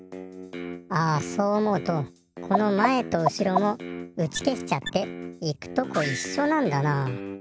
あそう思うとこのまえとうしろもうちけしちゃって行くとこいっしょなんだなあ。